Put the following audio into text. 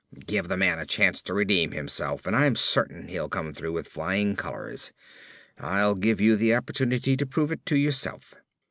"Give the man a chance to redeem himself and I'm certain he'll come through with flying colors. I'll give you the opportunity to prove it to yourself."